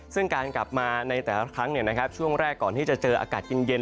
ซึ่งการกลับมาในแต่ละครั้งเนี่ยนะครับช่วงแรกก่อนที่จะเจออากาศเย็นเย็น